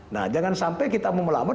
nah jangan sampai kita mau melamar